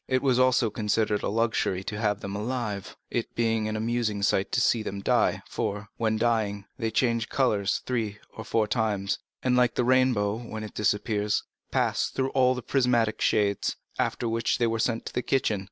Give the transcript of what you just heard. It was also considered a luxury to have them alive, it being an amusing sight to see them die, for, when dying, they change color three or four times, and like the rainbow when it disappears, pass through all the prismatic shades, after which they were sent to the kitchen.